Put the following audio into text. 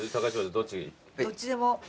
どっちでも。